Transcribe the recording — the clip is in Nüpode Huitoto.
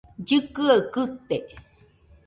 Llɨkɨaɨ kɨte.